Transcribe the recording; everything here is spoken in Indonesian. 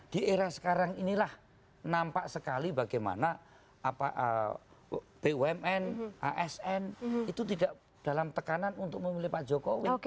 di era sekarang inilah nampak sekali bagaimana bumn asn itu tidak dalam tekanan untuk memilih pak jokowi